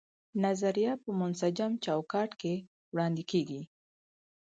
نظریه په منسجم چوکاټ کې وړاندې کیږي.